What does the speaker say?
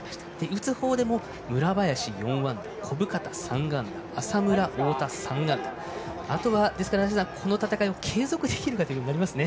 打つ方でも村林、４安打小深田、３安打浅村、太田３安打あとは継続できるかということになりますね。